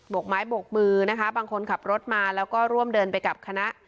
กไม้บกมือนะคะบางคนขับรถมาแล้วก็ร่วมเดินไปกับคณะ